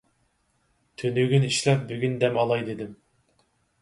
تۈنۈگۈن ئىشلەپ، بۈگۈن دەم ئالاي دېدىم.